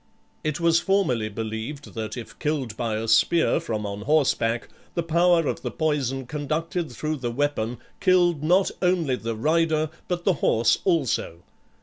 It was formerly believed that if killed by a spear from on horseback the power of the poison conducted through the weapon killed not only the rider, but the horse also.